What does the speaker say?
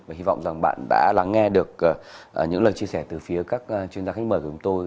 và hy vọng rằng bạn đã lắng nghe được những lời chia sẻ từ phía các chuyên gia khách mời của chúng tôi